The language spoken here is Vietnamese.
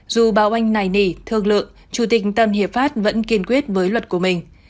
dù báo oanh nảy nỉ thương lượng chủ tịch tân hiệp pháp vẫn kiên quyết với luật của mình